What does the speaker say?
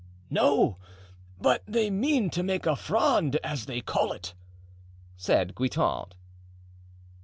"No, but they mean to make a Fronde, as they call it," said Guitant.